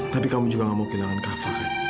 tapi kamu juga gak mau kehilangan kak fadil